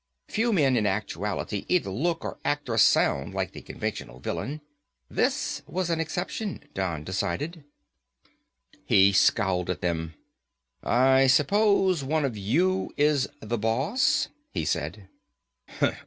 Few men, in actuality, either look like or sound like the conventionalized villain. This was an exception, Don decided. He scowled at them. "I suppose one of you is the boss," he said.